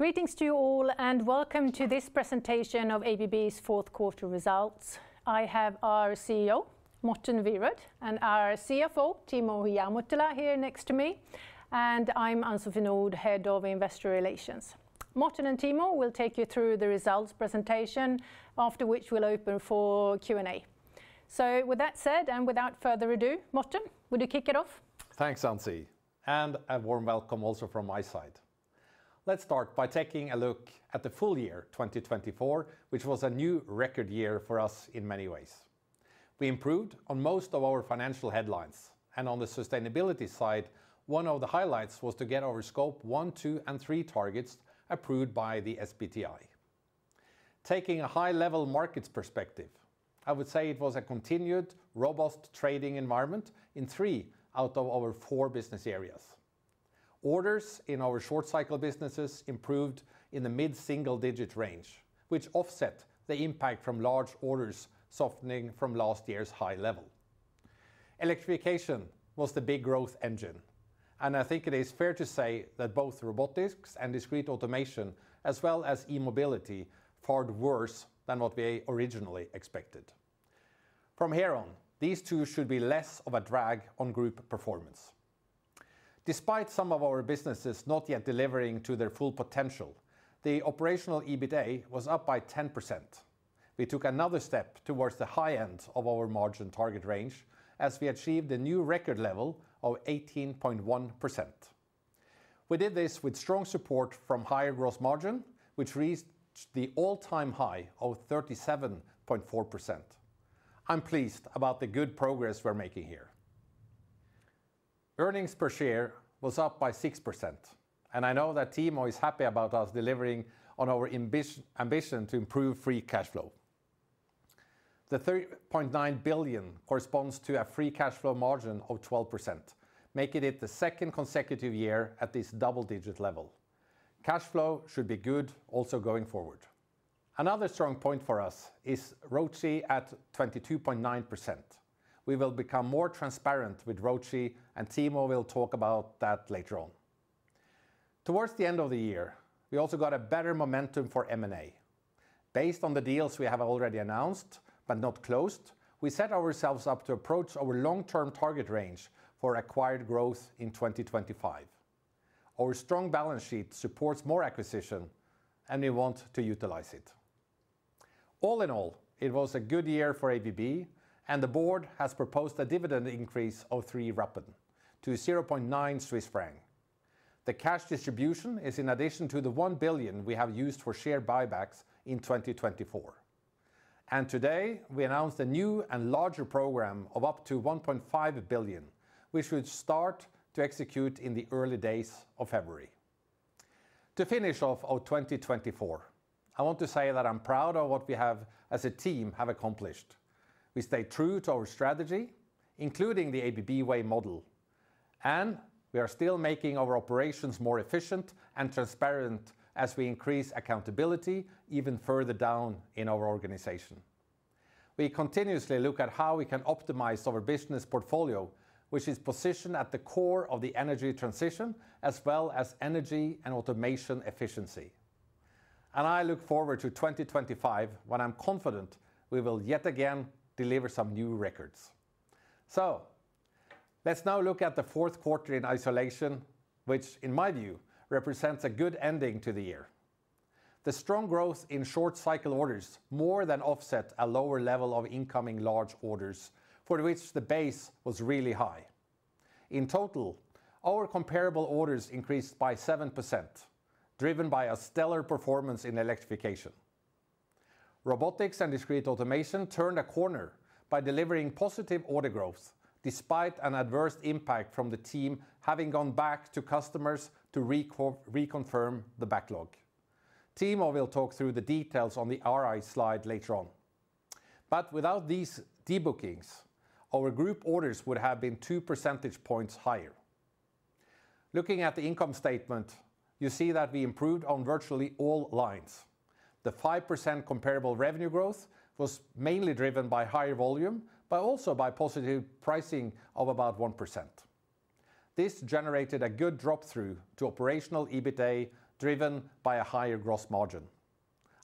Greetings to you all, and welcome to this presentation of ABB's fourth quarter results. I have our CEO, Morten Wierod, and our CFO, Timo Ihamuotila, here next to me. And I'm Ann-Sofie Nordh, Head of Investor Relations. Morten and Timo will take you through the results presentation, after which we'll open for Q&A. So, with that said, and without further ado, Morten, would you kick it off? Thanks, Ann-Sofie, and a warm welcome also from my side. Let's start by taking a look at the full year 2024, which was a new record year for us in many ways. We improved on most of our financial headlines, and on the sustainability side, one of the highlights was to get our Scope 1, 2, and 3 targets approved by the SBTi. Taking a high-level markets perspective, I would say it was a continued, robust trading environment in three out of our four business areas. Orders in our short-cycle businesses improved in the mid-single-digit range, which offset the impact from large orders softening from last year's high level. Electrification was the big growth engine, and I think it is fair to say that both robotics and discrete automation, as well as E-mobility, fared worse than what we originally expected. From here on, these two should be less of a drag on group performance. Despite some of our businesses not yet delivering to their full potential, the operational EBITDA was up by 10%. We took another step towards the high end of our margin target range, as we achieved a new record level of 18.1%. We did this with strong support from higher gross margin, which reached the all-time high of 37.4%. I'm pleased about the good progress we're making here. Earnings per share was up by 6%, and I know that Timo is happy about us delivering on our ambition to improve free cash flow. The 3.9 billion corresponds to a free cash flow margin of 12%, making it the second consecutive year at this double-digit level. Cash flow should be good also going forward. Another strong point for us is ROCE at 22.9%. We will become more transparent with Return on Capital Employed, and Timo will talk about that later on. Towards the end of the year, we also got a better momentum for M&A. Based on the deals we have already announced but not closed, we set ourselves up to approach our long-term target range for acquired growth in 2025. Our strong balance sheet supports more acquisition, and we want to utilize it. All in all, it was a good year for ABB, and the board has proposed a dividend increase of three Rappen to 0.9 Swiss franc. The cash distribution is in addition to the 1 billion we have used for share buybacks in 2024. Today, we announced a new and larger program of up to 1.5 billion, which we should start to execute in the early days of February. To finish off our 2024, I want to say that I'm proud of what we have as a team have accomplished. We stayed true to our strategy, including the ABB Way model, and we are still making our operations more efficient and transparent as we increase accountability even further down in our organization. We continuously look at how we can optimize our business portfolio, which is positioned at the core of the energy transition, as well as energy and automation efficiency, and I look forward to 2025, when I'm confident we will yet again deliver some new records, so let's now look at the fourth quarter in isolation, which, in my view, represents a good ending to the year. The strong growth in short-cycle orders more than offset a lower level of incoming large orders, for which the base was really high. In total, our comparable orders increased by 7%, driven by a stellar performance in electrification. Robotics and discrete automation turned a corner by delivering positive order growth, despite an adverse impact from the team having gone back to customers to reconfirm the backlog. Timo will talk through the details on the RI slide later on. But without these debookings, our group orders would have been two percentage points higher. Looking at the income statement, you see that we improved on virtually all lines. The 5% comparable revenue growth was mainly driven by higher volume, but also by positive pricing of about 1%. This generated a good drop-through to operational EBITDA driven by a higher gross margin.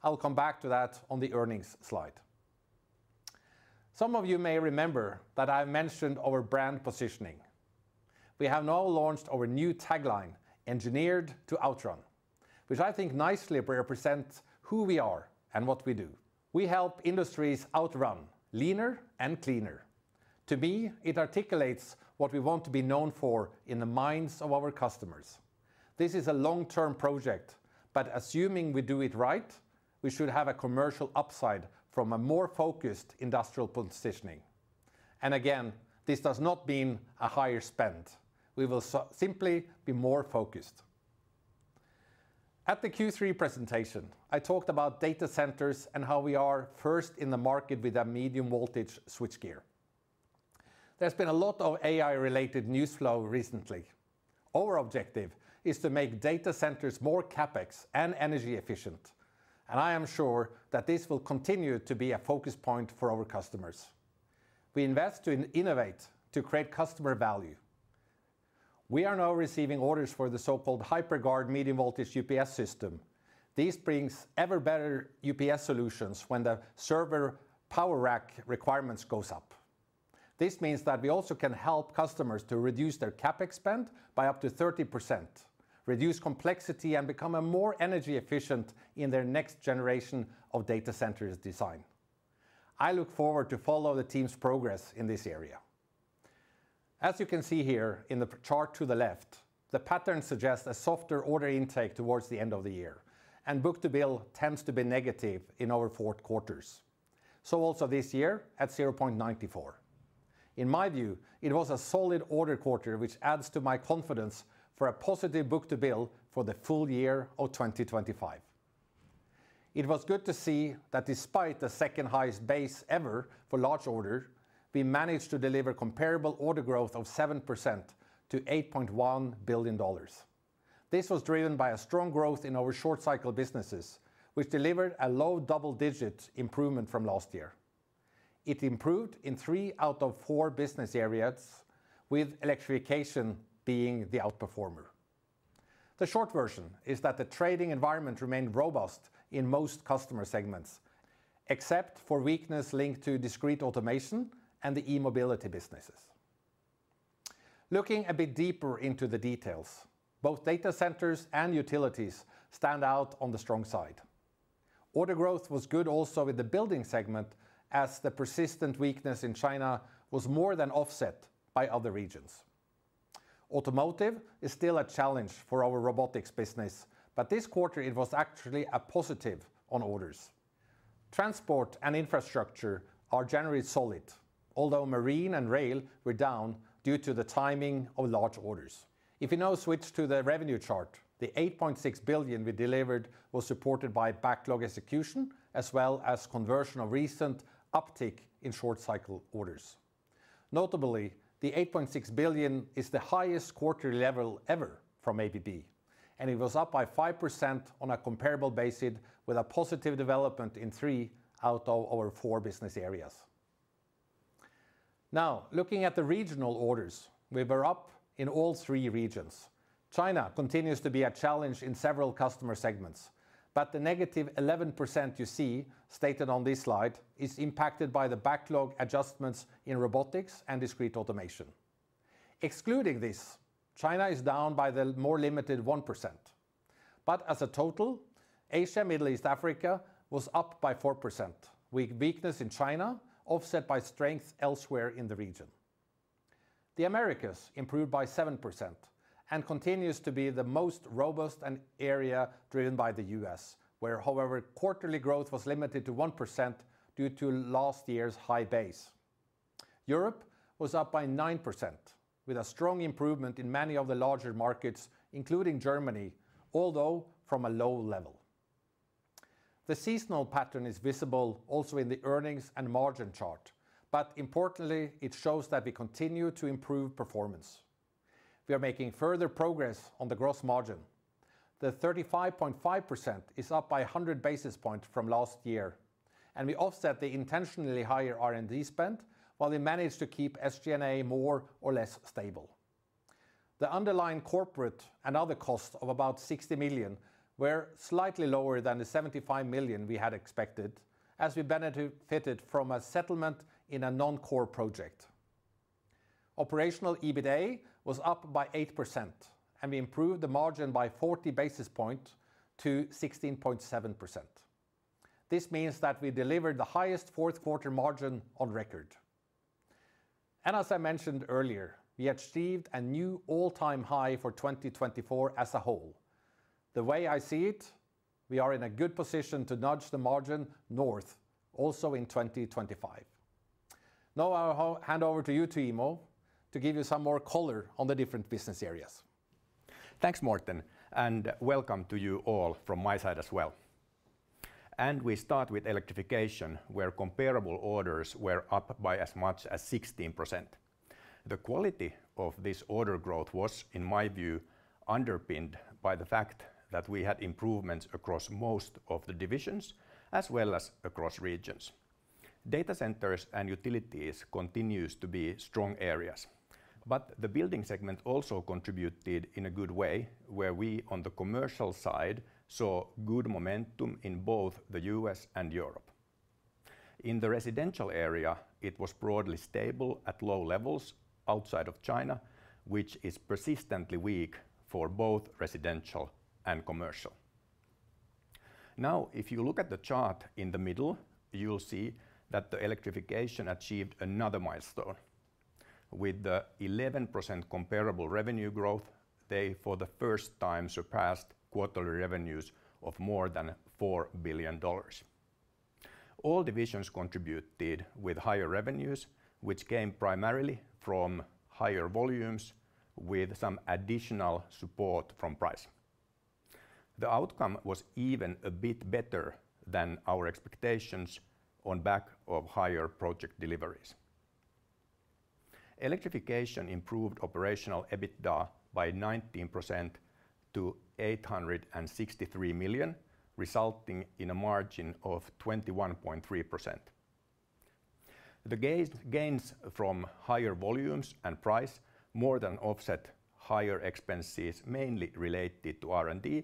I'll come back to that on the earnings slide. Some of you may remember that I mentioned our brand positioning. We have now launched our new tagline, "Engineered to Outrun," which I think nicely represents who we are and what we do. We help industries outrun leaner and cleaner. To me, it articulates what we want to be known for in the minds of our customers. This is a long-term project, but assuming we do it right, we should have a commercial upside from a more focused industrial positioning. And again, this does not mean a higher spend. We will simply be more focused. At the Q3 presentation, I talked about data centers and how we are first in the market with a medium-voltage switchgear. There's been a lot of AI-related news flow recently. Our objective is to make data centers more CapEx and energy efficient, and I am sure that this will continue to be a focus point for our customers. We invest to innovate to create customer value. We are now receiving orders for the so-called HiPerGuard medium-voltage UPS system. This brings ever better UPS solutions when the server power rack requirements go up. This means that we also can help customers to reduce their CapEx spend by up to 30%, reduce complexity, and become more energy efficient in their next generation of data centers design. I look forward to following the team's progress in this area. As you can see here in the chart to the left, the pattern suggests a softer order intake towards the end of the year, and book-to-bill tends to be negative in our fourth quarters. So also this year at 0.94. In my view, it was a solid order quarter, which adds to my confidence for a positive book-to-bill for the full year of 2025. It was good to see that despite the second highest base ever for large orders, we managed to deliver comparable order growth of 7% to $8.1 billion. This was driven by a strong growth in our short-cycle businesses, which delivered a low double-digit improvement from last year. It improved in three out of four business areas, with electrification being the outperformer. The short version is that the trading environment remained robust in most customer segments, except for weaknesses linked to discrete automation and the E-mobility businesses. Looking a bit deeper into the details, both data centers and utilities stand out on the strong side. Order growth was good also with the building segment, as the persistent weakness in China was more than offset by other regions. Automotive is still a challenge for our robotics business, but this quarter, it was actually a positive on orders. Transport and infrastructure are generally solid, although marine and rail were down due to the timing of large orders. If we now switch to the revenue chart, the 8.6 billion we delivered was supported by backlog execution, as well as conversion of recent uptick in short-cycle orders. Notably, the 8.6 billion is the highest quarterly level ever from ABB, and it was up by 5% on a comparable basis, with a positive development in three out of our four business areas. Now, looking at the regional orders, we were up in all three regions. China continues to be a challenge in several customer segments, but the -11% you see stated on this slide is impacted by the backlog adjustments in robotics and discrete automation. Excluding this, China is down by the more limited 1%. But as a total, Asia-Middle East Africa was up by 4%, with weakness in China offset by strength elsewhere in the region. The Americas improved by 7% and continue to be the most robust area driven by the US, where, however, quarterly growth was limited to 1% due to last year's high base. Europe was up by 9%, with a strong improvement in many of the larger markets, including Germany, although from a low level. The seasonal pattern is visible also in the earnings and margin chart, but importantly, it shows that we continue to improve performance. We are making further progress on the gross margin. The 35.5% is up by 100 basis points from last year, and we offset the intentionally higher R&D spend while we managed to keep SG&A more or less stable. The underlying corporate and other costs of about 60 million were slightly lower than the 75 million we had expected, as we benefited from a settlement in a non-core project. Operational EBITDA was up by 8%, and we improved the margin by 40 basis points to 16.7%. This means that we delivered the highest fourth-quarter margin on record, and as I mentioned earlier, we achieved a new all-time high for 2024 as a whole. The way I see it, we are in a good position to nudge the margin north also in 2025. Now I'll hand over to you, Timo, to give you some more color on the different business areas. Thanks, Morten, and welcome to you all from my side as well. We start with electrification, where comparable orders were up by as much as 16%. The quality of this order growth was, in my view, underpinned by the fact that we had improvements across most of the divisions, as well as across regions. Data centers and utilities continue to be strong areas, but the building segment also contributed in a good way, where we on the commercial side saw good momentum in both the U.S. and Europe. In the residential area, it was broadly stable at low levels outside of China, which is persistently weak for both residential and commercial. Now, if you look at the chart in the middle, you'll see that the electrification achieved another milestone. With the 11% comparable revenue growth, they for the first time surpassed quarterly revenues of more than $4 billion. All divisions contributed with higher revenues, which came primarily from higher volumes, with some additional support from price. The outcome was even a bit better than our expectations on back of higher project deliveries. Electrification improved operational EBITDA by 19% to 863 million, resulting in a margin of 21.3%. The gains from higher volumes and price more than offset higher expenses, mainly related to R&D, but also for SG&A,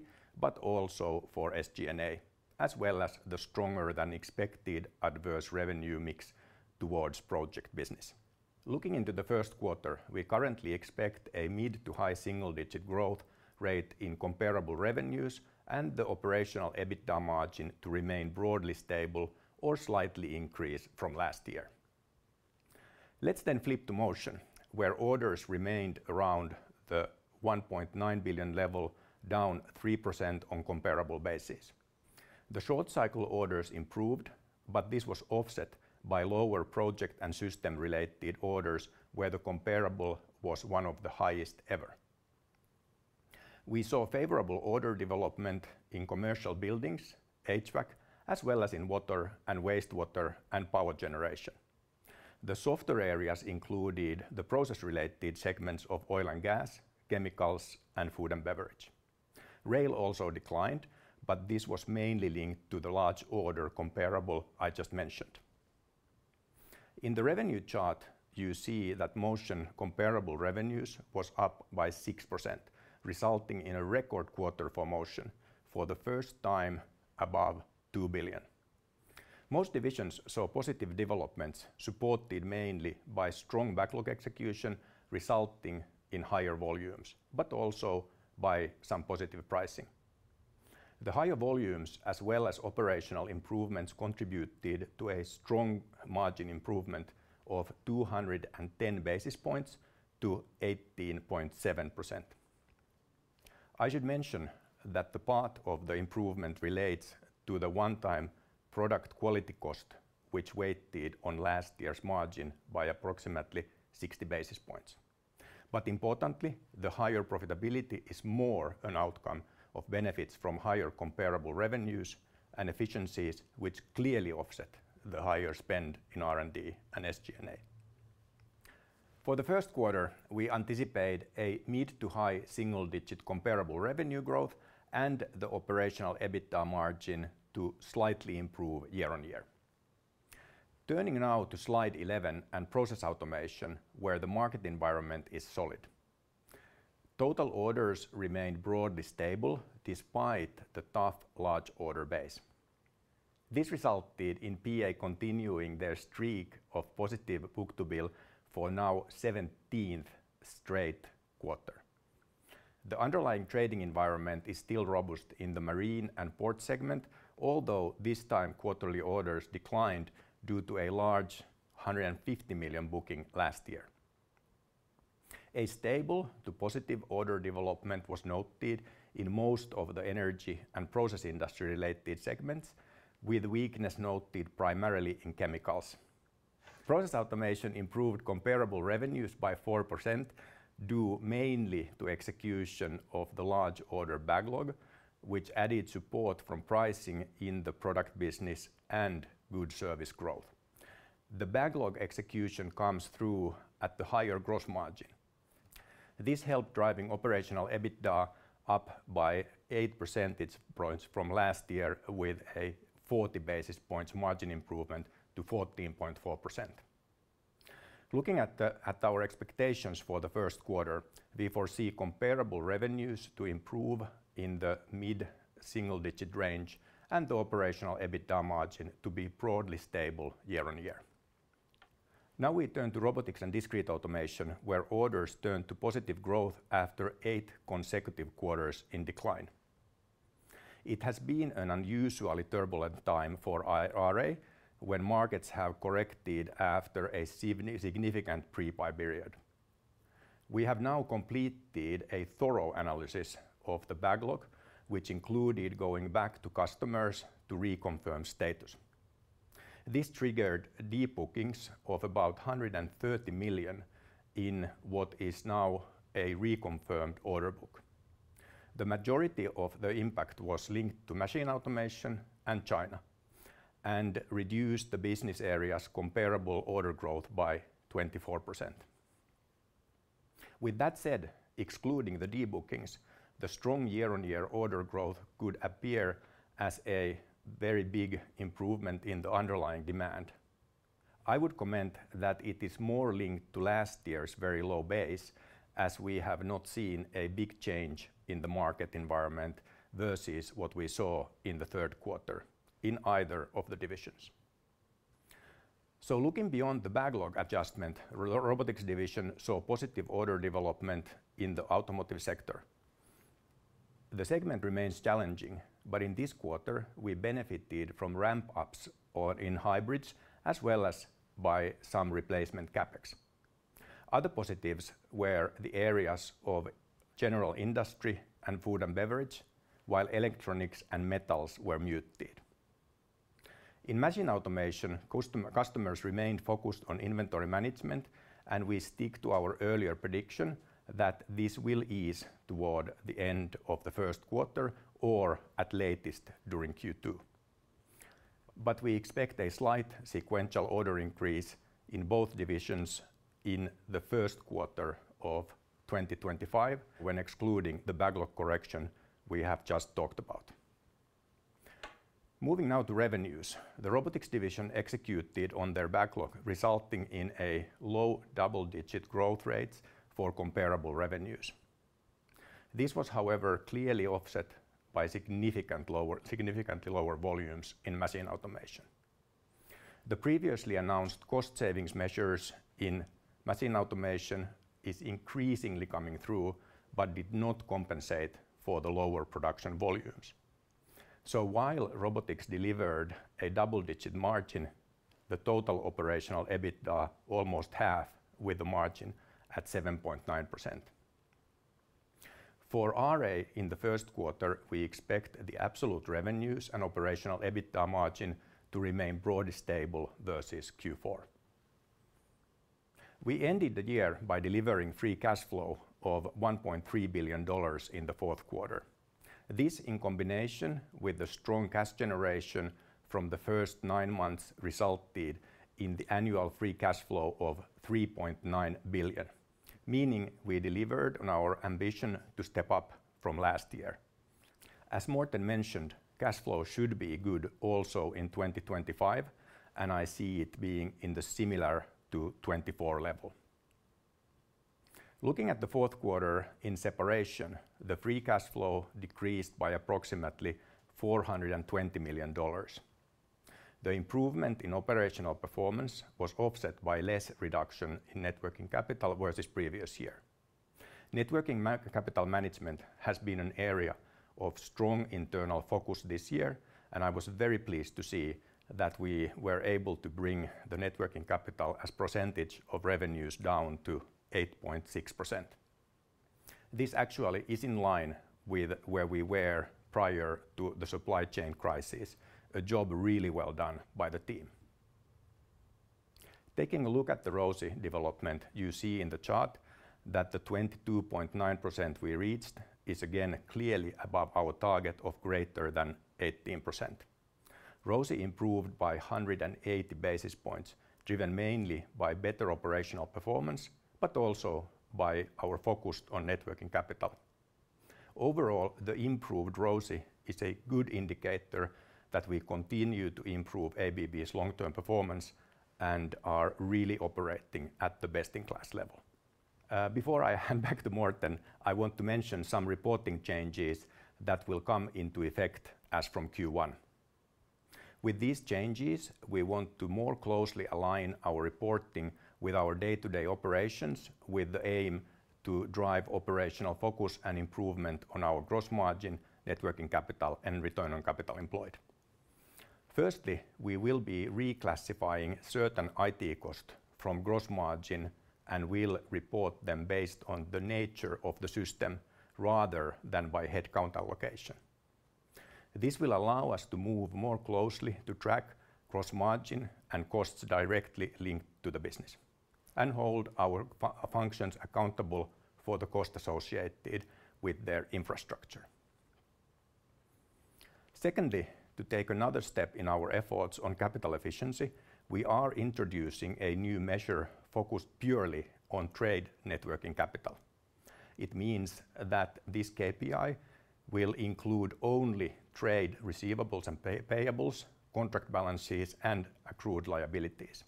as well as the stronger than expected adverse revenue mix towards project business. Looking into the first quarter, we currently expect a mid- to high-single-digit growth rate in comparable revenues and the operational EBITDA margin to remain broadly stable or slightly increased from last year. Let's then flip to motion, where orders remained around the 1.9 billion level, down 3% cost, which weighed on last year's margin by approximately 60 basis points. But importantly, the higher profitability is more an outcome of benefits from higher comparable revenues and efficiencies, which clearly offset the higher spend in R&D and SG&A. For the first quarter, we anticipate a mid to high single-digit comparable revenue growth and the operational EBITDA margin to slightly improve year-on-year. Turning now to slide 11 and process automation, where the market environment is solid. Total orders remained broadly stable despite the tough large order base. This resulted in PA continuing their streak of positive book-to-bill for now 17th straight quarter. The underlying trading environment is still robust in the marine and port segment, although this time quarterly orders declined due to a large 150 million booking last year. A stable to positive order development was noted in most of the energy and process industry-related segments, with weakness noted primarily in chemicals. Process automation improved comparable revenues by 4% due mainly to execution of the large order backlog, which added support from pricing in the product business and good service growth. The backlog execution comes through at the higher gross margin. This helped drive operational EBITDA up by 8 percentage points from last year, with a 40 basis points margin improvement to 14.4%. Looking at our expectations for the first quarter, we foresee comparable revenues to improve in the mid single-digit range and the operational EBITDA margin to be broadly stable year-on-year. Now we turn to robotics and discrete automation, where orders turned to positive growth after eight consecutive quarters in decline. It has been an unusually turbulent time for RDA when markets have corrected after a significant pre-buy period. We have now completed a thorough analysis of the backlog, which included going back to customers to reconfirm status. This triggered debookings of about 130 million in what is now a reconfirmed order book. The majority of the impact was linked to Machine Automation and China and reduced the business area's comparable order growth by 24%. With that said, excluding the debookings, the strong year-on-year order growth could appear as a very big improvement in the underlying demand. I would comment that it is more linked to last year's very low base, as we have not seen a big change in the market environment versus what we saw in the third quarter in either of the divisions. Looking beyond the backlog adjustment, the robotics division saw positive order development in the automotive sector. The segment remains challenging, but in this quarter, we benefited from ramp-ups in hybrids as well as by some replacement CapEx. Other positives were the areas of general industry and food and beverage, while electronics and metals were muted. In Machine Automation, customers a job really well done by the team. Taking a look at the ROCE development, you see in the chart that the 22.9% we reached is again clearly above our target of greater than 18%. ROCE improved by 180 basis points, driven mainly by better operational performance, but also by our focus on net working capital. Overall, the improved ROCE is a good indicator that we continue to improve ABB's long-term performance and are really operating at the best-in-class level. Before I hand back to Morten, I want to mention some reporting changes that will come into effect as from Q1. With these changes, we want to more closely align our reporting with our day-to-day operations, with the aim to drive operational focus and improvement on our gross margin, net working capital, and return on capital employed. Firstly, we will be reclassifying certain IT costs from gross margin and will report them based on the nature of the system rather than by headcount allocation. This will allow us to move more closely to track gross margin and costs directly linked to the business and hold our functions accountable for the cost associated with their infrastructure. Secondly, to take another step in our efforts on capital efficiency, we are introducing a new measure focused purely on trade net working capital. It means that this KPI will include only trade receivables and payables, contract balances, and accrued liabilities.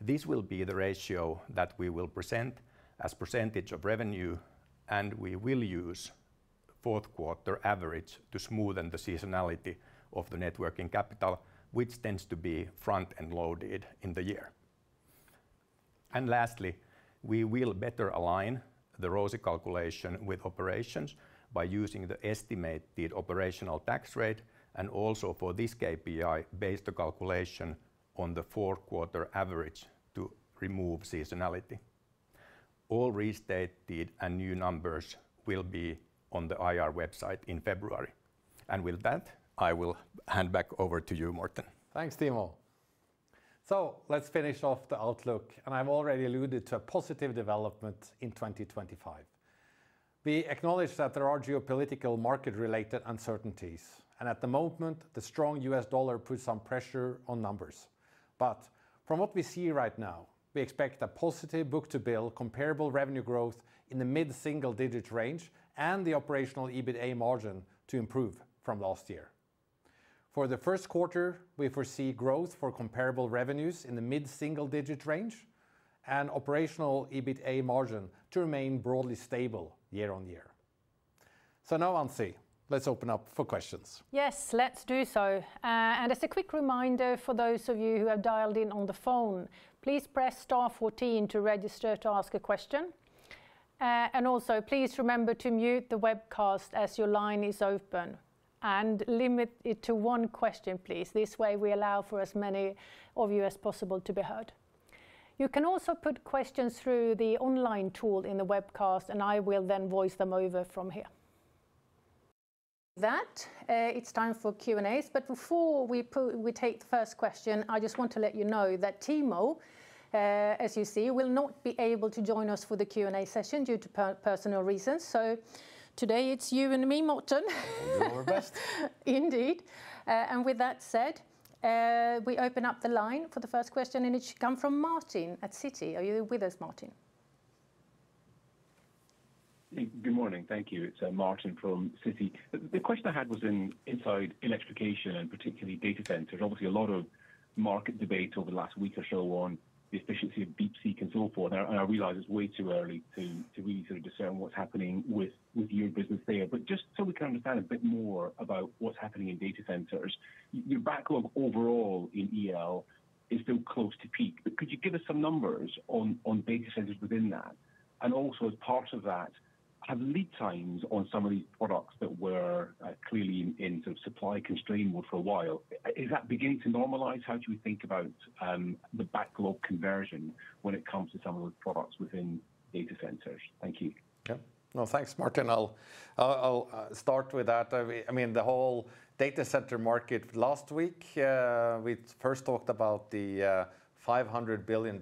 This will be the ratio that we will present as a percentage of revenue, and we will use the fourth quarter average to smoothen the seasonality of the net working capital, which tends to be front-end loaded in the year. Lastly, we will better align the ROCE calculation with operations by using the estimated operational tax rate and also for this KPI-based calculation on the fourth quarter average to remove seasonality. All restated and new numbers will be on the IR website in February. With that, I will hand back over to you, Morten. Thanks, Timo. Let's finish off the outlook, and I've already alluded to a positive development in 2025. We acknowledge that there are geopolitical market-related uncertainties, and at the moment, the strong US dollar puts some pressure on numbers. But from what we see right now, we expect a positive book-to-bill comparable revenue growth in the mid single-digit range and the operational EBITDA margin to improve from last year. For the first quarter, we foresee growth for comparable revenues in the mid single-digit range and operational EBITDA margin to remain broadly stable year-on-year. So now, Ann-Sofie, let's open up for questions. Yes, let's do so. And as a quick reminder for those of you who have dialed in on the phone, please press star 14 to register to ask a question. And also, please remember to mute the webcast as your line is open and limit it to one question, please. This way, we allow for as many of you as possible to be heard. You can also put questions through the online tool in the webcast, and I will then voice them over from here. With that, it's time for Q&As. But before we take the first question, I just want to let you know that Timo, as you see, will not be able to join us for the Q&A session due to personal reasons. So today, it's you and me, Morten. We're set. Indeed. And with that said, we open up the line for the first question, and it should come from Martin at Citi. Are you with us, Martin? Good morning. Thank you. It's Martin from Citi. The question I had was inside electrification and particularly data centers. Obviously, a lot of market debate over the last week or so on the efficiency of DeepSeek and so forth. And I realize it's way too early to really sort of discern what's happening with your business there. But just so we can understand a bit more about what's happening in data centers, your backlog overall in EL is still close to peak. But could you give us some numbers on data centers within that? And also, as part of that, have lead times on some of these products that were clearly in sort of supply constraint mode for a while? Is that beginning to normalize? How do you think about the backlog conversion when it comes to some of those products within data centers? Thank you. Yeah. No, thanks, Martin. I'll start with that. I mean, the whole data center market last week, we first talked about the $500 billion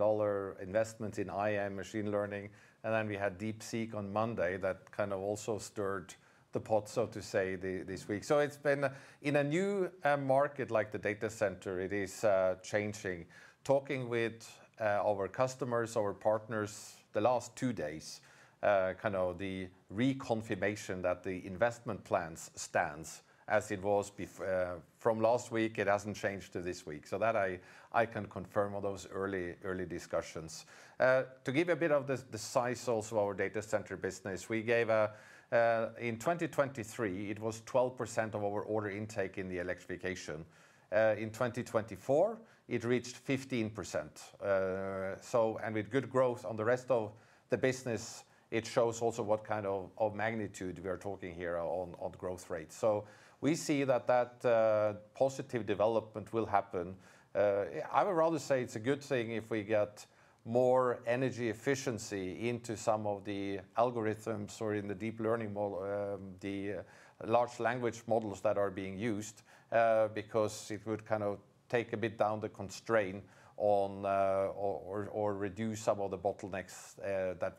investments in AI and machine learning, and then we had DeepSeek on Monday that kind of also stirred the pot, so to speak, this week. It's been. In a new market like the data center, it is changing. Talking with our customers, our partners, the last two days, kind of the reconfirmation that the investment plans stand as it was from last week, it hasn't changed to this week. It's that I can confirm on those early discussions. To give you a bit of the size also of our data center business, in 2023, it was 12% of our order intake in the electrification. In 2024, it reached 15%. And with good growth on the rest of the business, it shows also what kind of magnitude we are talking here on growth rate. So we see that that positive development will happen. I would rather say it's a good thing if we get more energy efficiency into some of the algorithms or in the deep learning model, the large language models that are being used, because it would kind of take a bit down the constraint or reduce some of the bottlenecks that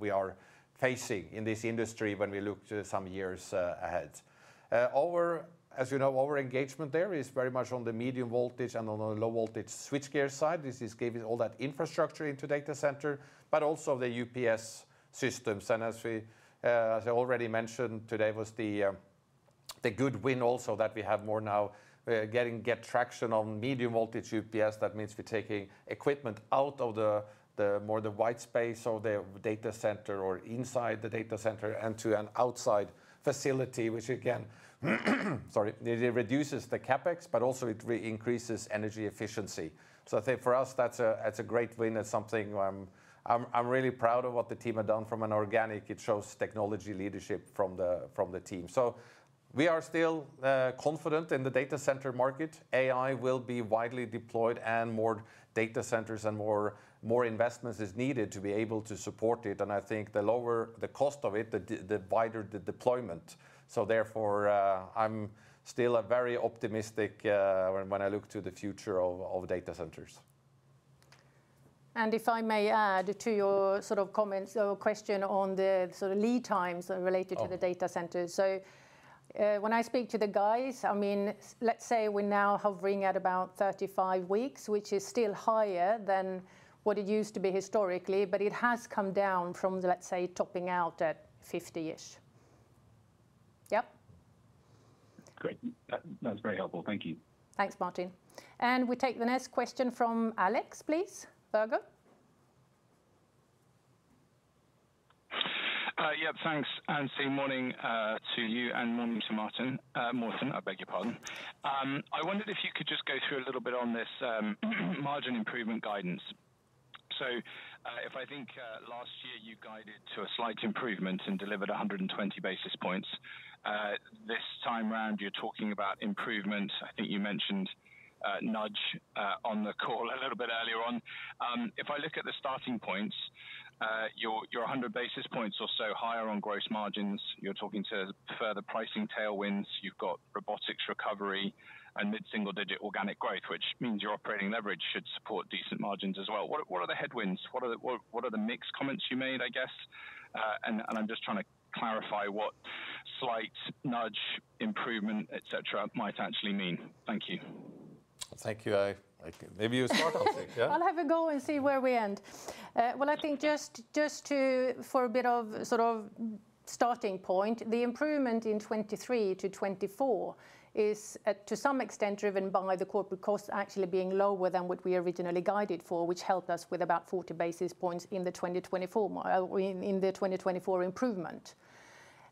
we are facing in this industry when we look to some years ahead. As you know, our engagement there is very much on the medium voltage and on the low voltage switchgear side. This is giving all that infrastructure into data centers, but also the UPS systems. And as I already mentioned today, it was the good win also that we have more now getting traction on medium-voltage UPS. That means we're taking equipment out of the more white space of the data center or inside the data center and to an outside facility, which again, sorry, it reduces the CapEx, but also it increases energy efficiency. So I think for us, that's a great win. It's something I'm really proud of what the team have done from an organic. It shows technology leadership from the team. So we are still confident in the data center market. AI will be widely deployed and more data centers and more investments are needed to be able to support it. And I think the lower the cost of it, the wider the deployment. So therefore, I'm still very optimistic when I look to the future of data centers. And if I may add to your sort of comments or question on the sort of lead times related to the data centers. So when I speak to the guys, I mean, let's say we're now hovering at about 35 weeks, which is still higher than what it used to be historically, but it has come down from, let's say, topping out at 50-ish. Yep. Great. That's very helpful. Thank you. Thanks, Martin. And we take the next question from Alex Virgo, please. Yep. Thanks, Ann-Sofie. Morning to you and morning to Martin. Morten, I beg your pardon. I wondered if you could just go through a little bit on this margin improvement guidance. So if I think last year you guided to a slight improvement and delivered 120 basis points, this time around you're talking about improvement. I think you mentioned nudge on the call a little bit earlier on. If I look at the starting points, you're 100 basis points or so higher on gross margins. You're talking to further pricing tailwinds. You've got robotics recovery and mid single digit organic growth, which means your operating leverage should support decent margins as well. What are the headwinds? What are the mixed comments you made, I guess? And I'm just trying to clarify what slight nudge improvement, etc., might actually mean. Thank you. Thank you. Maybe you're smart. I'll have a go and see where we end. Well, I think just for a bit of sort of starting point, the improvement in 2023 to 2024 is to some extent driven by the corporate costs actually being lower than what we originally guided for, which helped us with about 40 basis points in the 2024 improvement.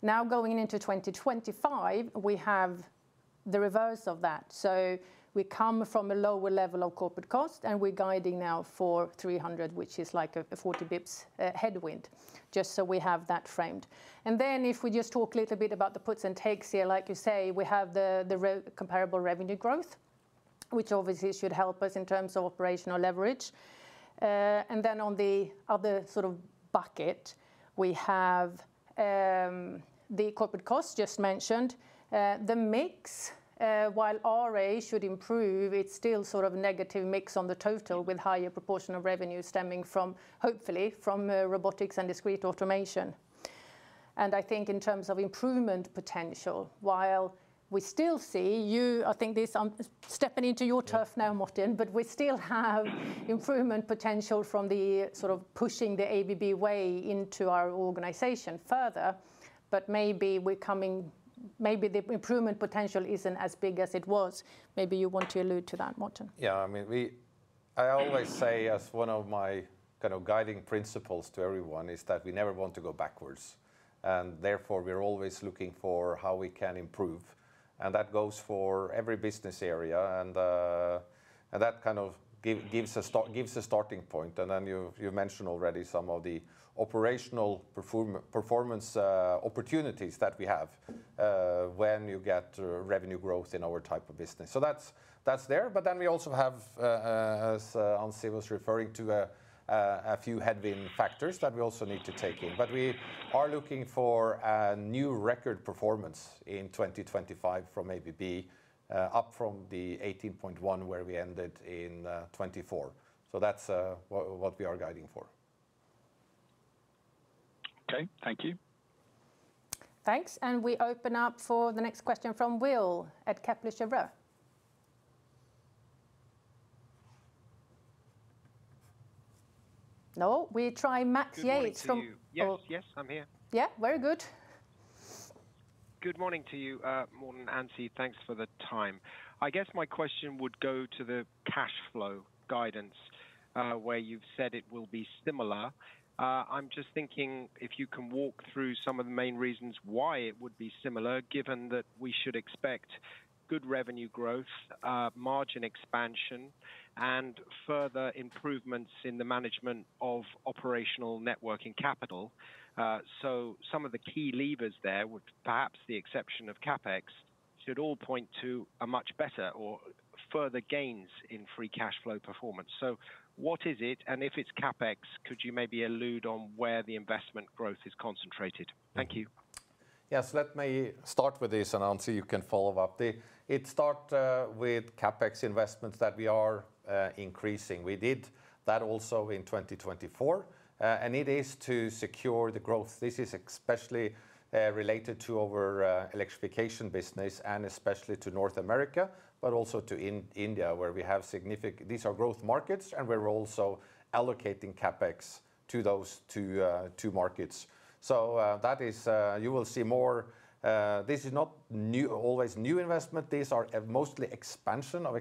Now going into 2025, we have the reverse of that. So we come from a lower level of corporate cost, and we're guiding now for 300, which is like a 40 basis points headwind. Just so we have that framed. And then if we just talk a little bit about the puts and takes here, like you say, we have the comparable revenue growth, which obviously should help us in terms of operational leverage. And then on the other sort of bucket, we have the corporate costs just mentioned. The mix, while RA should improve, it's still sort of negative mix on the total with higher proportion of revenue stemming from, hopefully, from robotics and discrete automation. And I think in terms of improvement potential, while we still see you, I think this I'm stepping into your turf now, Morten, but we still have improvement potential from the sort of pushing the ABB Way into our organization further. But maybe we're coming, maybe the improvement potential isn't as big as it was. Maybe you want to allude to that, Morten. Yeah. I mean, I always say as one of my kind of guiding principles to everyone is that we never want to go backwards. And therefore, we're always looking for how we can improve. And that goes for every business area. And that kind of gives a starting point. And then you mentioned already some of the operational performance opportunities that we have when you get revenue growth in our type of business. So that's there. But then we also have, as Ann-Sofie was referring to, a few headwind factors that we also need to take in. But we are looking for a new record performance in 2025 from ABB up from the 18.1 where we ended in 2024. So that's what we are guiding for. Okay. Thank you. Thanks. And we open up for the next question from Will Mackie at Kepler Cheuvreux. No, we try Max Yates from. Yes, I'm here. Yeah. Very good. Good morning to you, Morten and Ann-Sofie. Thanks for the time. I guess my question would go to the cash flow guidance where you've said it will be similar. I'm just thinking if you can walk through some of the main reasons why it would be similar, given that we should expect good revenue growth, margin expansion, and further improvements in the management of operational net working capital. So some of the key levers there, with perhaps the exception of CapEx, should all point to a much better or further gains in free cash flow performance. So what is it? And if it's CapEx, could you maybe allude on where the investment growth is concentrated? Thank you. Yes. Let me start with this and Ann-Sofie, you can follow up. It starts with CapEx investments that we are increasing. We did that also in 2024. And it is to secure the growth. This is especially related to our electrification business and especially to North America, but also to India, where we have significant, these are, growth markets, and we're also allocating CapEx to those two markets, so that is, you will see more. This is not always new investment. These are mostly expansion of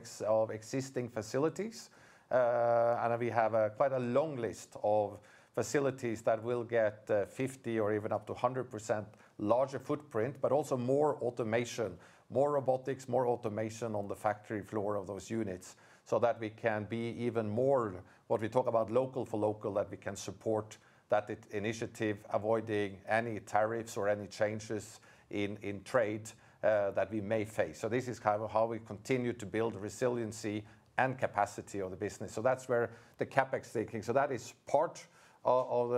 existing facilities. And we have quite a long list of facilities that will get 50% or even up to 100% larger footprint, but also more automation, more robotics, more automation on the factory floor of those units so that we can be even more, what we talk about local-for-local, that we can support that initiative, avoiding any tariffs or any changes in trade that we may face, so this is kind of how we continue to build the resiliency and capacity of the business, so that's where the CapEx thinking. So that is part of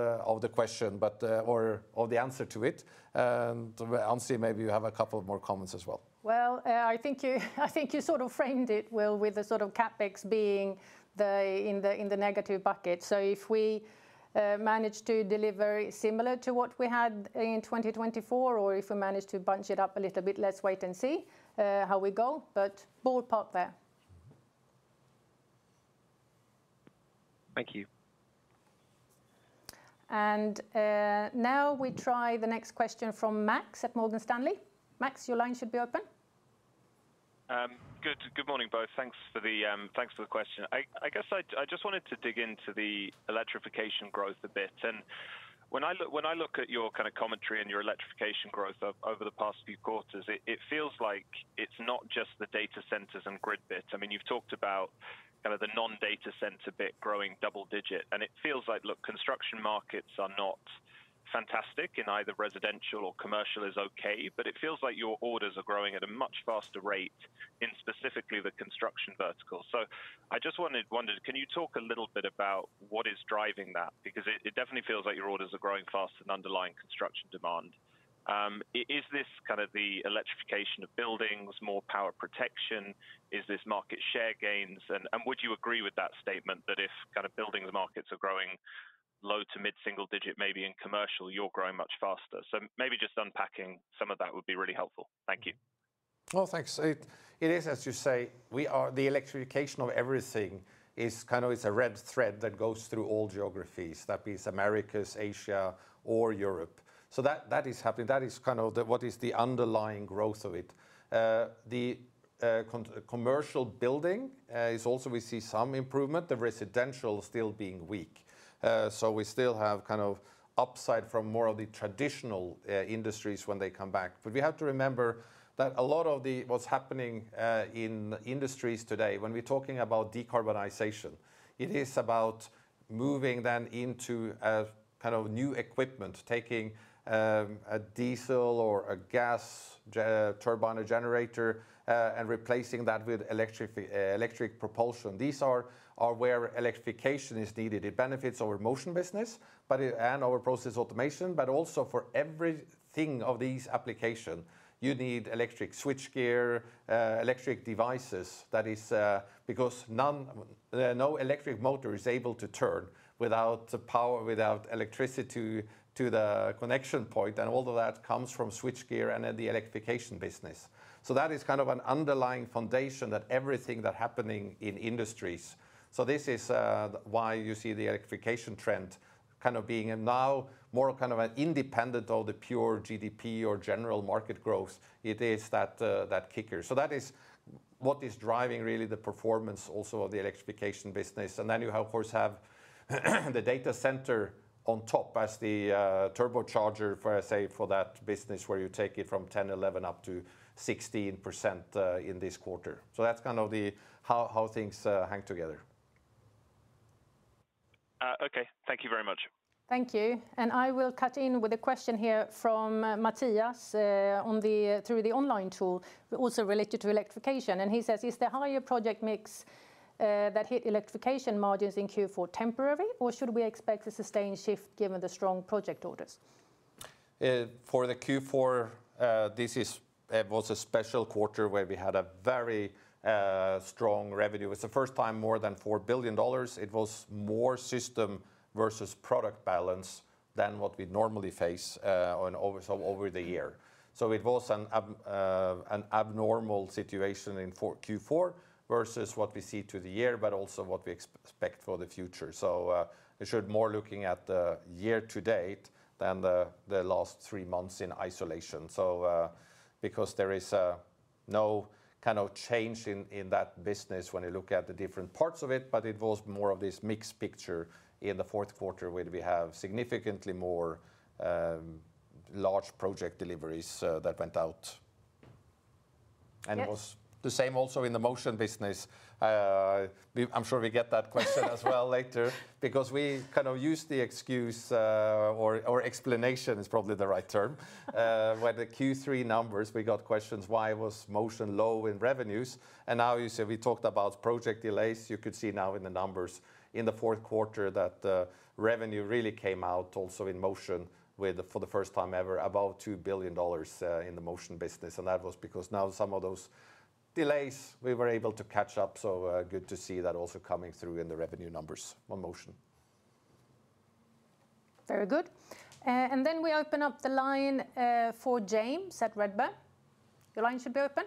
the question or of the answer to it. And Ann-Sofie, maybe you have a couple more comments as well. Well, I think you sort of framed it, Will, with the sort of CapEx being in the negative bucket. So if we manage to deliver similar to what we had in 2024, or if we manage to bunch it up a little bit, let's wait and see how we go. But ballpark there. Thank you. And now we try the next question from Max at Morgan Stanley. Max, your line should be open. Good morning, both. Thanks for the question. I guess I just wanted to dig into the electrification growth a bit. And when I look at your kind of commentary and your electrification growth over the past few quarters, it feels like it's not just the data centers and grid bits. I mean, you've talked about kind of the non-data center bit growing double-digit. And it feels like, look, construction markets are not fantastic in either residential or commercial, is okay. But it feels like your orders are growing at a much faster rate in specifically the construction vertical. So I just wondered, can you talk a little bit about what is driving that? Because it definitely feels like your orders are growing faster than underlying construction demand. Is this kind of the electrification of buildings, more power protection? Is this market share gains? And would you agree with that statement that if kind of building markets are growing low to mid-single digit, maybe in commercial, you're growing much faster? So maybe just unpacking some of that would be really helpful. Thank you. Well, thanks. It is, as you say, the electrification of everything is kind of a red thread that goes through all geographies, that be Americas, Asia, or Europe. So that is happening. That is kind of what is the underlying growth of it. The commercial building is also. We see some improvement. The residential is still being weak. So we still have kind of upside from more of the traditional industries when they come back. But we have to remember that a lot of what's happening in industries today, when we're talking about decarbonization, it is about moving then into kind of new equipment, taking a diesel or a gas turbine or generator and replacing that with electric propulsion. These are where electrification is needed. It benefits our motion business and our process automation, but also for everything of these applications, you need electric switchgear, electric devices. That is because no electric motor is able to turn without power, without electricity to the connection point, and all of that comes from switchgear and then the electrification business, so that is kind of an underlying foundation that everything that's happening in industries, so this is why you see the electrification trend kind of being now more kind of independent of the pure GDP or general market growth. It is that kicker, so that is what is driving really the performance also of the electrification business, and then you of course have the data center on top as the turbocharger for, say, for that business where you take it from 10%-11% up to 16% in this quarter. So that's kind of how things hang together. Okay. Thank you very much. Thank you. And I will cut in with a question here from Matthias through the online tool also related to electrification. And he says, is the higher project mix that hit electrification margins in Q4 temporary, or should we expect a sustained shift given the strong project orders? For the Q4, this was a special quarter where we had a very strong revenue. It was the first time more than $4 billion. It was more system versus product balance than what we normally face over the year. So it was an abnormal situation in Q4 versus what we see to the year, but also what we expect for the future. So it should be more looking at the year to date than the last three months in isolation. Because there is no kind of change in that business when you look at the different parts of it, but it was more of this mixed picture in the fourth quarter where we have significantly more large project deliveries that went out. And it was the same also in the motion business. I'm sure we get that question as well later because we kind of used the excuse or explanation is probably the right term. When the Q3 numbers, we got questions why was motion low in revenues. And now you say we talked about project delays. You could see now in the numbers in the fourth quarter that revenue really came out also in motion for the first time ever, about $2 billion in the motion business. And that was because now some of those delays we were able to catch up. So good to see that also coming through in the revenue numbers on motion. Very good. And then we open up the line for James at Redburn. Your line should be open.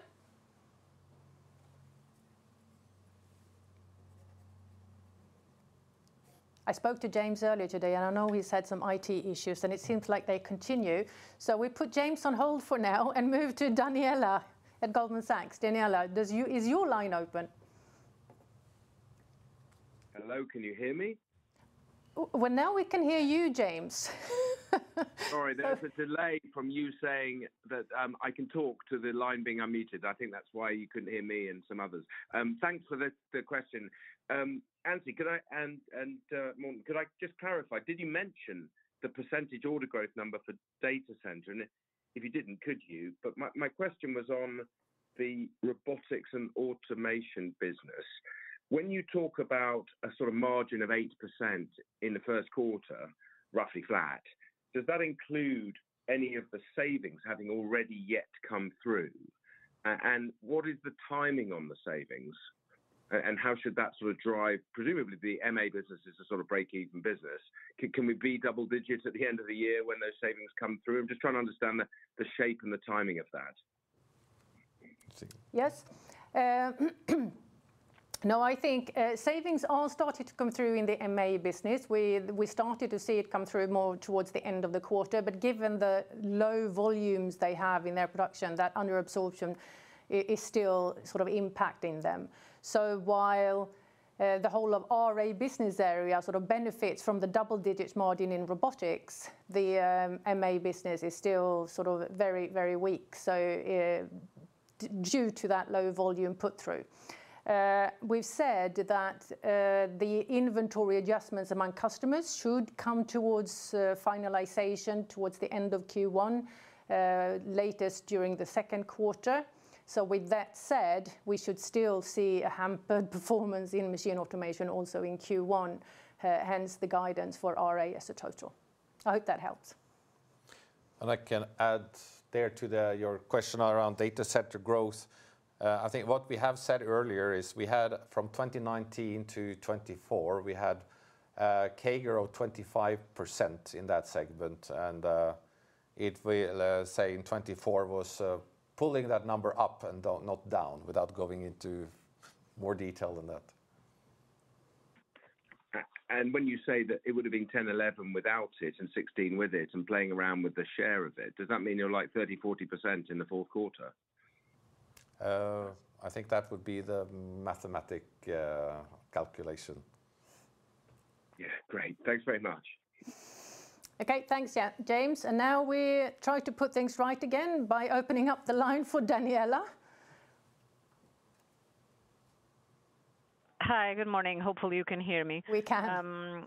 I spoke to James earlier today, and I know he's had some IT issues, and it seems like they continue. So we put James on hold for now and move to Daniela at Goldman Sachs. Daniela, is your line open? Hello, can you hear me? Well, now we can hear you, James. Sorry, there was a delay from you saying that I can talk to the line being unmuted. I think that's why you couldn't hear me and some others. Thanks for the question. Ann-Sofie, and Morten, could I just clarify? Did you mention the percentage order growth number for data center? And if you didn't, could you? But my question was on the robotics and automation business. When you talk about a sort of margin of 8% in the first quarter, roughly flat, does that include any of the savings having already yet come through? And what is the timing on the savings? And how should that sort of drive presumably the MA businesses to sort of break even business? Can we be double digits at the end of the year when those savings come through? I'm just trying to understand the shape and the timing of that. Yes. No, I think savings all started to come through in the MA business. We started to see it come through more towards the end of the quarter. But given the low volumes they have in their production, that underabsorption is still sort of impacting them. So while the whole of RA business area sort of benefits from the double digits margin in robotics, the MA business is still sort of very, very weak due to that low volume put through. We've said that the inventory adjustments among customers should come towards finalization towards the end of Q1, latest during the second quarter. So with that said, we should still see a hampered performance in Machine Automation also in Q1, hence the guidance for RA as a total. I hope that helps. And I can add there to your question around data center growth. I think what we have said earlier is we had from 2019-2024, we had CAGR of 25% in that segment. And it will say in 2024 was pulling that number up and not down without going into more detail than that. And when you say that it would have been 10-11 without it and 16 with it and playing around with the share of it, does that mean you're like 30%-40% in the fourth quarter? I think that would be the mathematical calculation. Yeah. Great. Thanks very much. Okay. Thanks, James. And now we try to put things right again by opening up the line for Daniela. Hi, good morning. Hopefully, you can hear me. We can.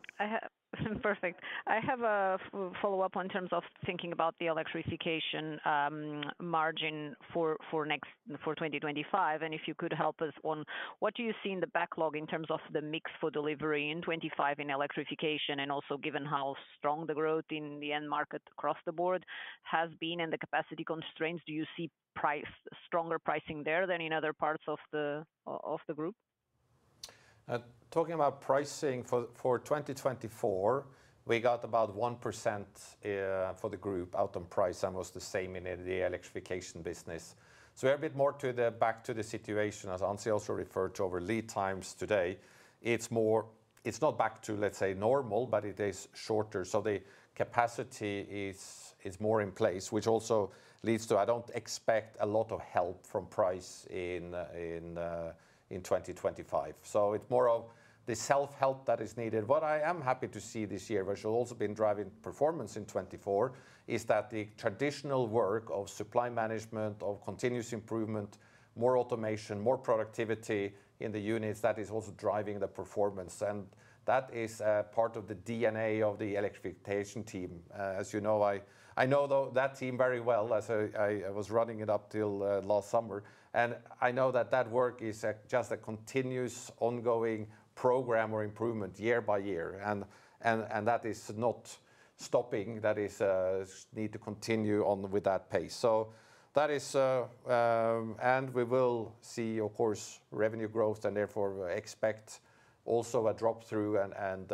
Perfect. I have a follow-up in terms of thinking about the electrification margin for 2025. And if you could help us on what do you see in the backlog in terms of the mix for delivery in 2025 in electrification and also given how strong the growth in the end market across the board has been and the capacity constraints, do you see stronger pricing there than in other parts of the group? Talking about pricing for 2024, we got about 1% for the group out on price. It was the same in the electrification business. So we're a bit more back to the situation as Ann-Sofie also referred to over lead times today. It's not back to, let's say, normal, but it is shorter. So the capacity is more in place, which also leads to I don't expect a lot of help from price in 2025. So it's more of the self-help that is needed. What I am happy to see this year, which has also been driving performance in 2024, is that the traditional work of supply management, of continuous improvement, more automation, more productivity in the units that is also driving the performance. And that is part of the DNA of the electrification team. As you know, I know that team very well as I was running it up till last summer. And I know that that work is just a continuous ongoing program or improvement year by year. And that is not stopping. That is need to continue on with that pace. So that is, and we will see, of course, revenue growth and therefore expect also a drop through and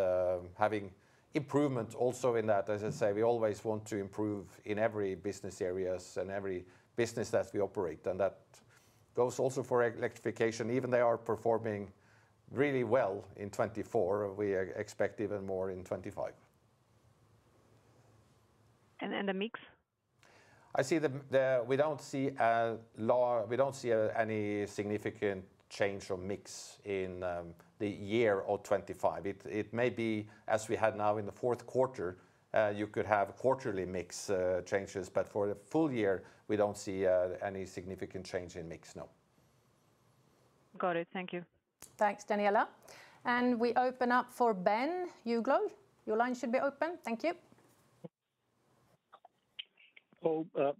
having improvement also in that. As I say, we always want to improve in every business area and every business that we operate. And that goes also for electrification. Even they are performing really well in 2024. We expect even more in 2025. And the mix? I see that we don't see a low, we don't see any significant change in mix in the year of 2025. It may be as we had now in the fourth quarter, you could have quarterly mix changes. But for the full year, we don't see any significant change in mix, no. Got it. Thank you. Thanks, Daniela. And we open up for Ben Uglow. Your line should be open. Thank you.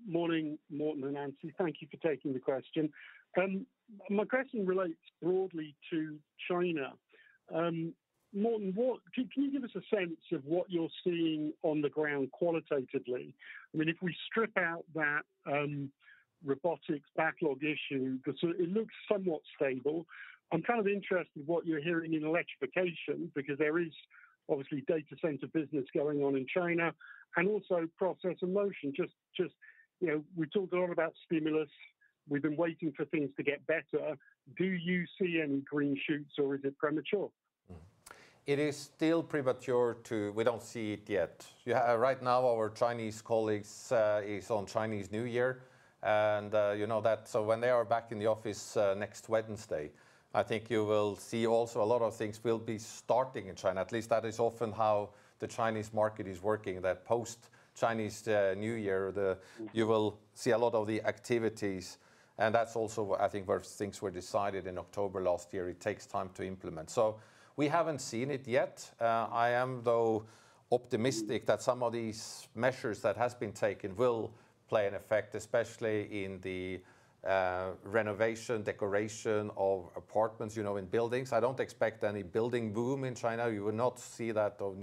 Morning, Morten and Ann-Sofie. Thank you for taking the question. My question relates broadly to China. Morten, can you give us a sense of what you're seeing on the ground qualitatively? I mean, if we strip out that robotics backlog issue, it looks somewhat stable. I'm kind of interested in what you're hearing in electrification because there is obviously data center business going on in China and also process and motion. Just we talked a lot about stimulus. We've been waiting for things to get better. Do you see any green shoots or is it premature? It is still premature. We don't see it yet. Right now, our Chinese colleagues is on Chinese New Year. And you know that. So when they are back in the office next Wednesday, I think you will see also a lot of things will be starting in China. At least that is often how the Chinese market is working. That, post-Chinese New Year, you will see a lot of the activities. And that's also, I think, where things were decided in October last year. It takes time to implement. So we haven't seen it yet. I am, though, optimistic that some of these measures that have been taken will play an effect, especially in the renovation, decoration of apartments, you know, in buildings. I don't expect any building boom in China. You will not see that of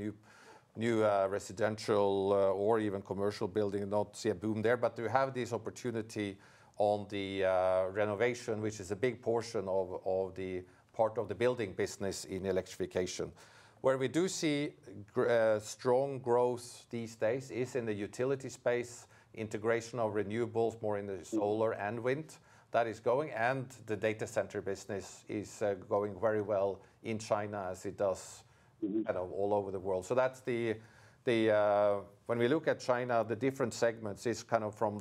new residential or even commercial building, not see a boom there. But you have this opportunity on the renovation, which is a big portion of the part of the building business in electrification. Where we do see strong growth these days is in the utility space, integration of renewables, more in the solar and wind that is going. And the data center business is going very well in China as it does kind of all over the world. So that's when we look at China, the different segments [range] kind of from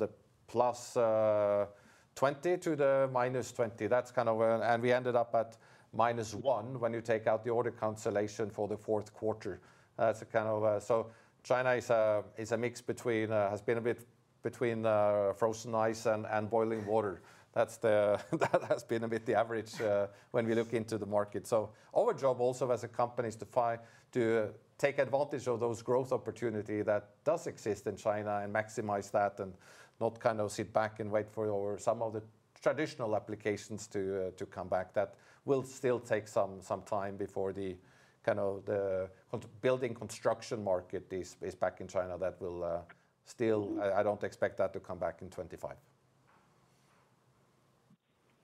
+20% to -20%. That's kind of and we ended up at minus one when you take out the order cancellation for the fourth quarter. That's a kind of so China is a mix between, has been a bit between frozen ice and boiling water. That has been a bit the average when we look into the market. So our job also as a company is to take advantage of those growth opportunities that do exist in China and maximize that and not kind of sit back and wait for some of the traditional applications to come back. That will still take some time before the kind of building construction market is back in China that will still, I don't expect that to come back in 2025.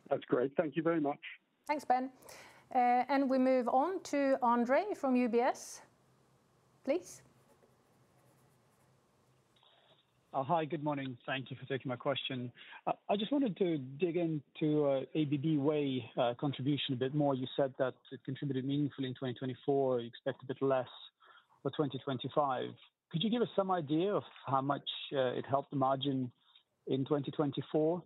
That's great. Thank you very much. Thanks, Ben. And we move on to Andre from UBS. Please. Hi, good morning. Thank you for taking my question. I just wanted to dig into ABB Way contribution a bit more. You said that it contributed meaningfully in 2024. You expect a bit less for 2025. Could you give us some idea of how much it helped the margin in 2024?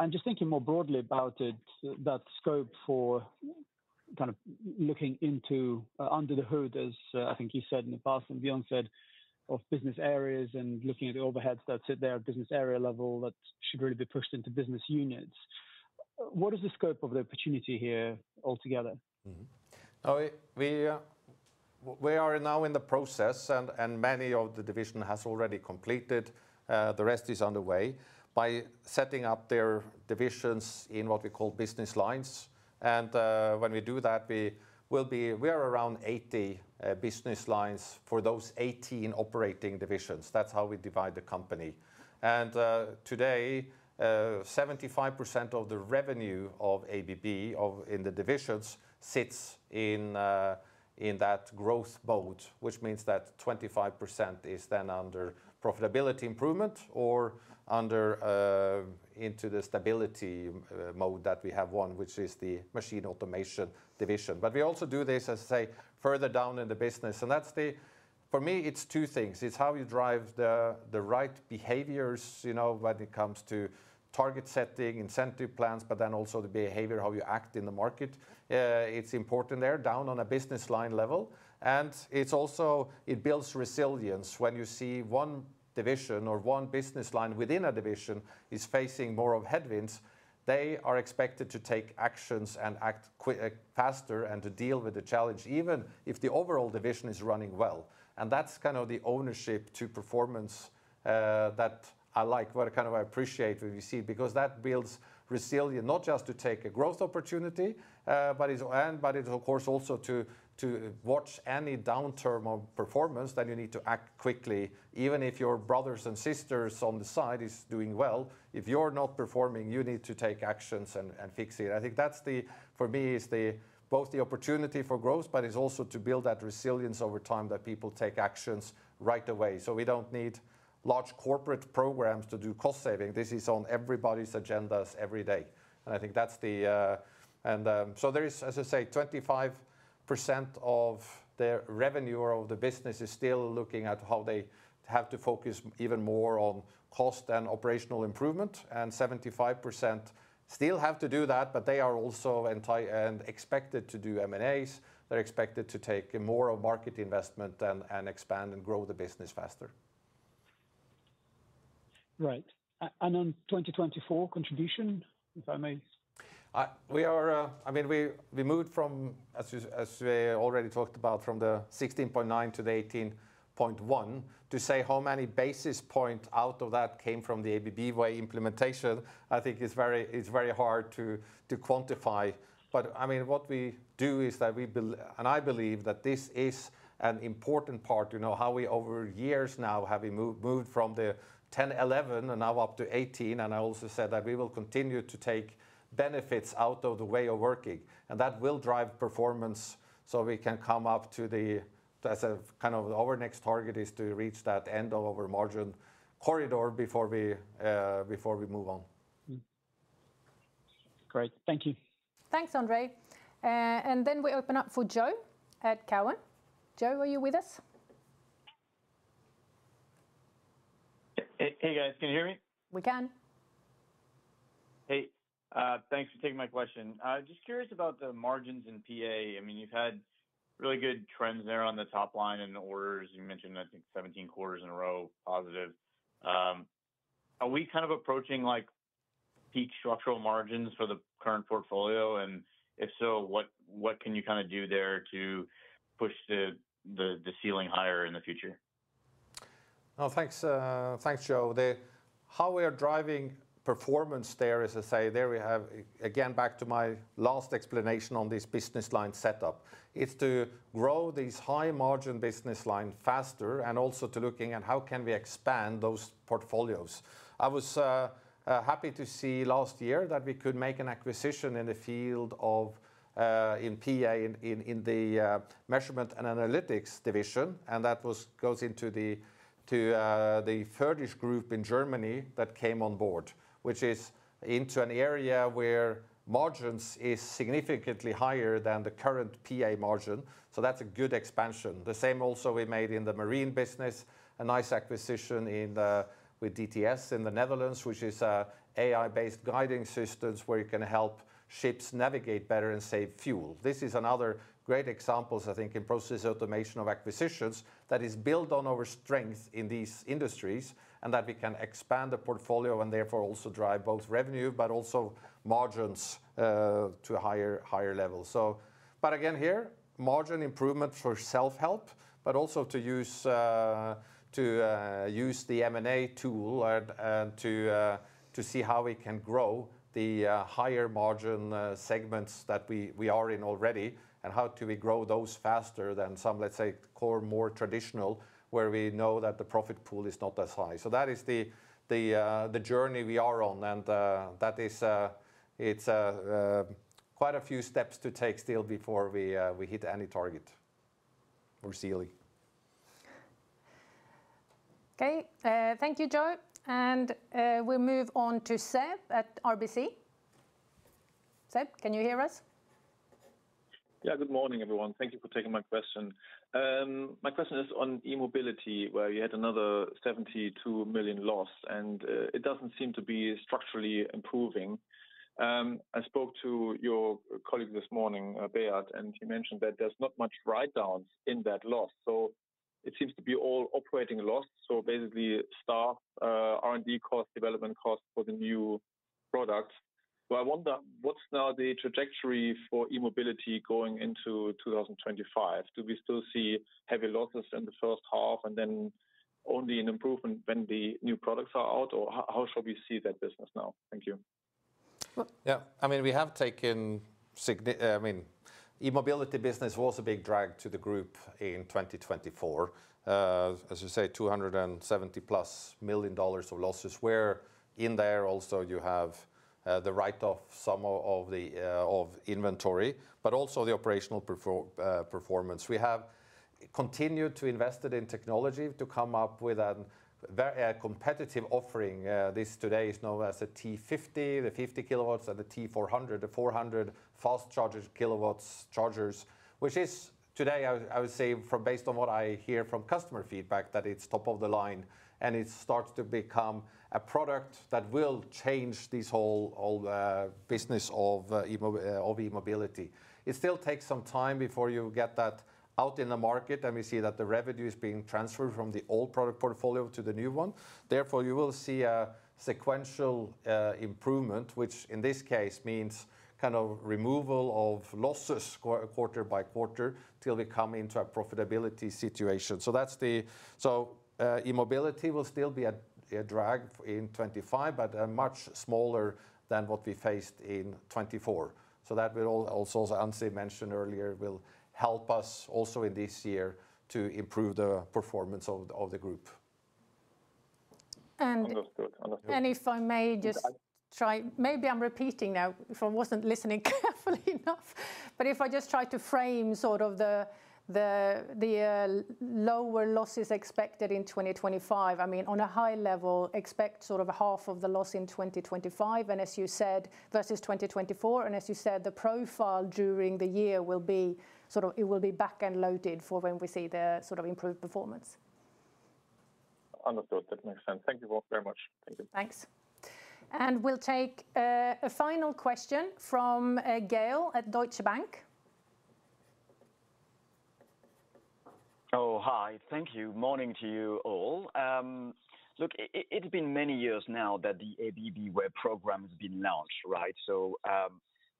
I'm just thinking more broadly about that scope for kind of looking into under the hood, as I think you said in the past and Björn said, of business areas and looking at the overheads that sit there at business area level that should really be pushed into business units. What is the scope of the opportunity here altogether? We are now in the process, and many of the divisions have already completed. The rest is underway by setting up their divisions in what we call business lines. And when we do that, we are around 80 business lines for those 18 operating divisions. That's how we divide the company. And today, 75% of the revenue of ABB in the divisions sits in that growth mode, which means that 25% is then under profitability improvement or into the stability mode that we have one, which is the Machine Automation division. But we also do this, as I say, further down in the business. And that's the for me, it's two things. It's how you drive the right behaviors when it comes to target setting, incentive plans, but then also the behavior, how you act in the market. It's important there down on a business line level. And it's also it builds resilience when you see one division or one business line within a division is facing more of headwinds. They are expected to take actions and act faster and to deal with the challenge even if the overall division is running well. And that's kind of the ownership of performance that I like, what I kind of appreciate when you see because that builds resilience, not just to take a growth opportunity, but it's of course also to watch any downturn of performance. Then you need to act quickly, even if your brothers and sisters on the side is doing well. If you're not performing, you need to take actions and fix it. I think that's the form, for me, is both the opportunity for growth, but it's also to build that resilience over time that people take actions right away. So we don't need large corporate programs to do cost saving. This is on everybody's agendas every day. And I think that's it. And so there is, as I say, 25% of the revenue of the business is still looking at how they have to focus even more on cost and operational improvement. And 75% still have to do that, but they are also expected to do M&As. They're expected to take more of market investment and expand and grow the business faster. Right. And on 2024 contribution, if I may? We, I mean, we moved from, as we already talked about, from the 16.9% to the 18.1% to say how many basis points out of that came from the ABB Way implementation. I think it's very hard to quantify. But I mean, what we do is that we, and I believe that this is an important part, you know, how we over years now have moved from the 10%, 11% and now up to 18%. And I also said that we will continue to take benefits out of the way of working. And that will drive performance so we can come up to the as a kind of our next target is to reach that end of our margin corridor before we move on. Great. Thank you. Thanks, Andre. And then we open up for Joe at Cowen. Joe, are you with us? Hey, guys. Can you hear me? We can. Hey. Thanks for taking my question. Just curious about the margins in PA. I mean, you've had really good trends there on the top line and orders. You mentioned, I think, 17 quarters in a row positive. Are we kind of approaching peak structural margins for the current portfolio? And if so, what can you kind of do there to push the ceiling higher in the future? Well, thanks, Joe. How we are driving performance there, as I say, there we have, again, back to my last explanation on this business line setup, is to grow these high margin business line faster and also to looking at how can we expand those portfolios. I was happy to see last year that we could make an acquisition in the field of PA in the Measurement and Analytics division. And that goes into the Födisch Group in Germany that came on board, which is into an area where margins is significantly higher than the current PA margin. So that's a good expansion. The same also we made in the marine business, a nice acquisition with Shipping Technology in the Netherlands, which is an AI-based guiding systems where you can help ships navigate better and save fuel. This is another great example, I think, in process automation of acquisitions that is built on our strength in these industries and that we can expand the portfolio and therefore also drive both revenue, but also margins to a higher level. So but again, here, margin improvement for self-help, but also to use the M&A tool and to see how we can grow the higher margin segments that we are in already and how we grow those faster than some, let's say, core more traditional where we know that the profit pool is not as high. So that is the journey we are on. And that is it's quite a few steps to take still before we hit any target or ceiling. Okay. Thank you, Joe. And we move on to Seb at RBC. Seb, can you hear us? Yeah, good morning, everyone. Thank you for taking my question. My question is on E-mobility, where you had another 72 million lost, and it doesn't seem to be structurally improving. I spoke to your colleague this morning, Beat, and he mentioned that there's not much write-downs in that loss. So it seems to be all operating loss. So basically, staff, R&D costs, development costs for the new products. So I wonder what's now the trajectory for E-mobility going into 2025? Do we still see heavy losses in the first half and then only an improvement when the new products are out? Or how shall we see that business now? Thank you. Yeah. I mean, we have taken I mean, E-mobility business was a big drag to the group in 2024. As I say, CHF 270-plus million of losses. We're in there also you have the write-off sum of the inventory, but also the operational performance. We have continued to invest in technology to come up with a competitive offering. This today is known as the T50, the 50 kilowatts, and the T400, the 400 fast chargers kilowatts chargers, which is today, I would say, based on what I hear from customer feedback, that it's top of the line and it starts to become a product that will change this whole business of E-mobility. It still takes some time before you get that out in the market. And we see that the revenue is being transferred from the old product portfolio to the new one. Therefore, you will see a sequential improvement, which in this case means kind of removal of losses quarter by quarter till we come into a profitability situation. So that's the E-mobility will still be a drag in 2025, but much smaller than what we faced in 2024. So that will also, as Ann-Sofie mentioned earlier, help us also in this year to improve the performance of the group. And if I may just try, maybe I'm repeating now if I wasn't listening carefully enough. But if I just try to frame sort of the lower losses expected in 2025, I mean, on a high level, expect sort of half of the loss in 2025, and as you said, versus 2024. And as you said, the profile during the year will be sort of; it will be back-loaded for when we see the sort of improved performance. Understood. That makes sense. Thank you very much. Thank you. Thanks. And we'll take a final question from Gael at Deutsche Bank. Oh, hi. Thank you. Morning to you all. Look, it's been many years now that the ABB Way program has been launched, right? So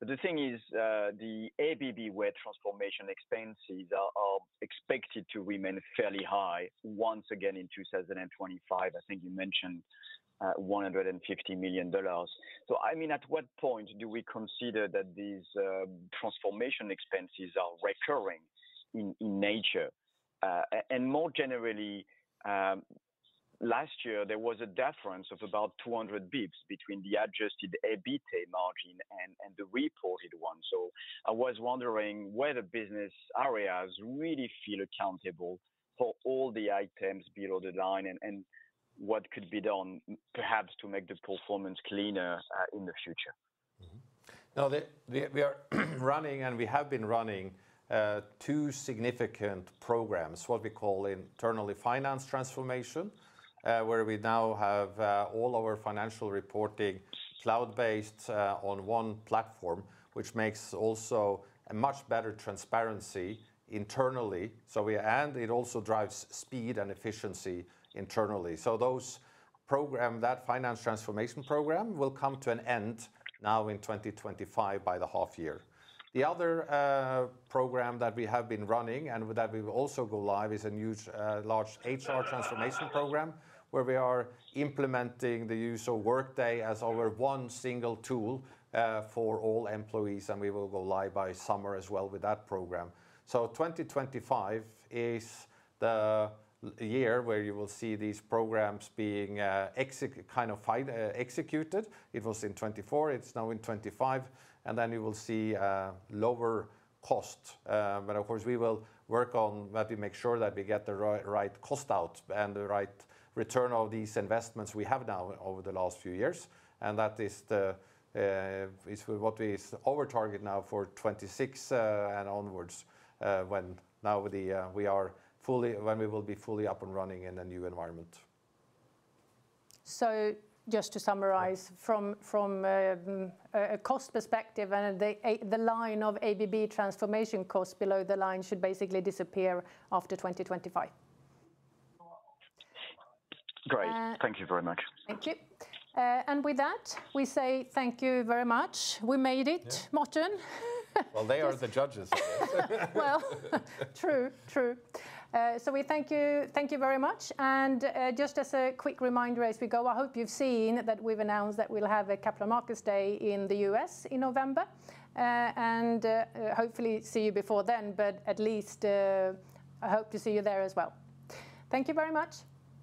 the thing is the ABB Way transformation expenses are expected to remain fairly high once again in 2025. I think you mentioned $150 million. So I mean, at what point do we consider that these transformation expenses are recurring in nature? And more generally, last year, there was a difference of about 200 basis points between the adjusted EBITDA margin and the reported one. So I was wondering whether business areas really feel accountable for all the items below the line and what could be done perhaps to make the performance cleaner in the future. Now, we are running and we have been running two significant programs, what we call internally finance transformation, where we now have all our financial reporting cloud-based on one platform, which makes also a much better transparency internally. So we and it also drives speed and efficiency internally. So those program, that finance transformation program will come to an end now in 2025 by the half year. The other program that we have been running and that we will also go live is a large HR transformation program where we are implementing the use of Workday as our one single tool for all employees. And we will go live by summer as well with that program. So 2025 is the year where you will see these programs being kind of executed. It was in 2024. It's now in 2025. And then you will see lower cost. But of course, we will work on that to make sure that we get the right cost out and the right return of these investments we have now over the last few years. That is what we overtarget now for 2026 and onwards when we will be fully up and running in a new environment. So just to summarize from a cost perspective, the line of ABB transformation costs below the line should basically disappear after 2025. Great. Thank you very much. Thank you. And with that, we say thank you very much. We made it, Morten. Well, they are the judges. Well, true, true. So we thank you very much. Just as a quick reminder as we go, I hope you've seen that we've announced that we'll have a Capital Markets Day in the U.S. in November. Hopefully see you before then, but at least I hope to see you there as well. Thank you very much.